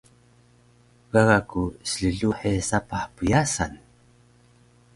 Gaga ku slluhe sapah pyasan